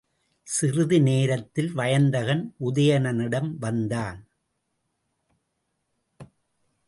சிறிது நேரத்தில் வயந்தகன் உதயணனிடம் வந்தான்.